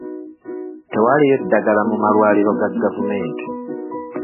Tewaliiyo ddagala mu malwaliro ga gavumenti.